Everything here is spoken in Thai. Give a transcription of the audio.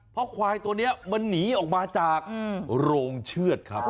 เพราะควายตัวนี้มันหนีออกมาจากโรงเชือดครับ